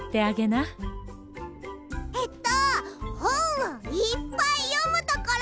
えっとほんをいっぱいよむところ！